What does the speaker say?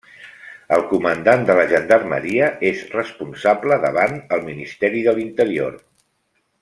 El comandant de la Gendarmeria és responsable davant el Ministeri de l'Interior.